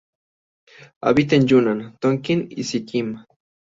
Habita en Yunnan, Tonkin y Sikkim.